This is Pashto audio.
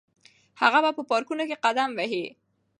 هغه به په پارکونو کې قدم وهي.